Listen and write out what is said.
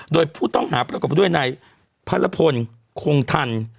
โดยผู้ต้องหาประกอบด้วยนายพระรพลคงทัน